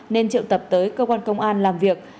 nên triệu tập tới cơ quan công an làm việc